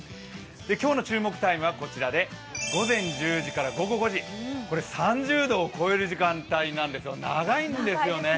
今日の注目タイムは、こちらで午前１０時から午後５時、３０度を超える時間帯なんですよ、長いんですよね。